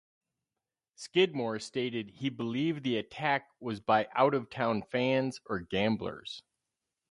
Skidmore stated he believed the attack was by out of town fans or gamblers.